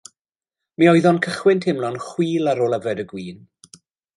Mi oedd o'n cychwyn teimlo'n chwil ar ôl yfed y gwin.